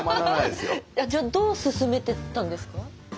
じゃあどう進めていったんですか？